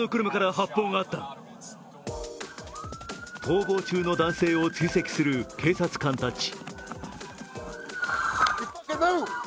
逃亡中の男性を追跡する警察官たち。